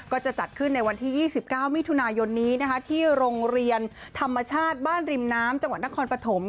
ก็จะจัดขึ้นในวันที่๒๙มิถุนายนนี้ที่โรงเรียนธรรมชาติบ้านริมน้ำจังหวัดนครปฐม